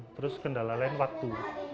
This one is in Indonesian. terus kendala lain waktu